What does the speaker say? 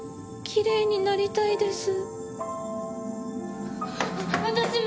きれいになりたいです。